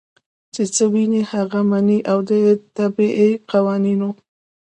چې څۀ ويني هغه مني او د طبعي قوانینو